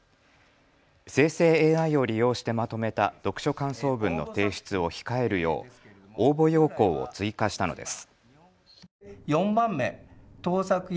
生成ＡＩを利用してまとめた読書感想文の提出を控えるよう応募要項を追加したのです。